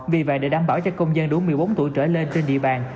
vì vậy để đảm bảo cho công dân đủ một mươi bốn tuổi trở lên trên địa bàn